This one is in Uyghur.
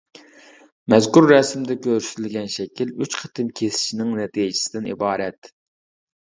مەزكۇر رەسىمدە كۆرسىتىلگەن شەكىل ئۈچ قېتىم كېسىشنىڭ نەتىجىسىدىن ئىبارەت.